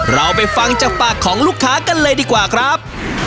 เราไปฟังจากปากของลูกค้ากันเลยดีกว่าครับ